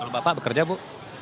kalau bapak bekerja bu